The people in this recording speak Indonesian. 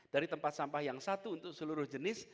dari tempat sampah yang satu untuk seluruh jenis